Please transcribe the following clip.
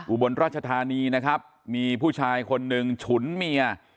อุบลราชธานีนะครับมีผู้ชายคนหนึ่งฉุนเมีย